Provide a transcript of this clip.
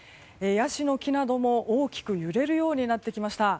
ヤシの木なども大きく揺れるようになってきました。